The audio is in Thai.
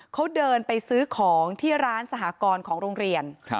เขาเดินไปซื้อของที่ร้านสหกรณ์ของโรงเรียน